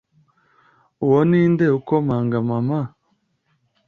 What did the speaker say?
uwo ninde ukomanga mama ?”